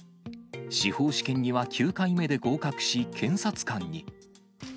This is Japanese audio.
司法試験には９回目で合格し、検察官に。